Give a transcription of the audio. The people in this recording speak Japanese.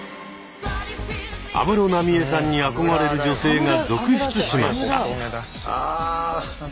安室奈美恵さんに憧れる女性が続出しました。